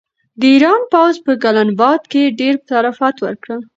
د ایران پوځ په ګلناباد کې ډېر تلفات ورکړل.